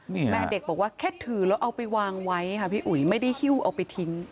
นี่แม่เด็กบอกว่าแค่ถือแล้วเอาไปวางไว้ค่ะพี่อุ๋ยไม่ได้หิ้วเอาไปทิ้ง